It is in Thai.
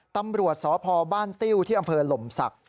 ตำรวจสพบ้านติ้วที่อำเภอหล่มศักดิ์